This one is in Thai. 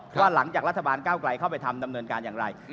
ว่าหลังจากรัฐบาลก้าวไกลเข้าไปทำดำเนินการอย่างไร